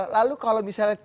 lalu kalau misalnya